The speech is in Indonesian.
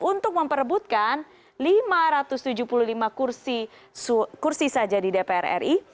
untuk memperebutkan lima ratus tujuh puluh lima kursi saja di dpr ri